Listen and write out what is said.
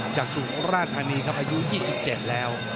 จากศูนย์ราชธานีครับอายุ๒๗แล้ว